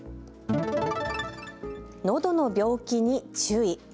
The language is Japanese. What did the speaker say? のどの病気に注意。